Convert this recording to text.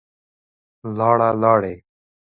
لاړه, لاړې